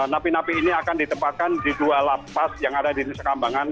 napi napi ini akan ditempatkan di dua lapas yang ada di nusa kambangan